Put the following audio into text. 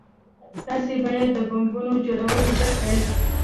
تاسې بايد د بمونو جوړول زده كئ.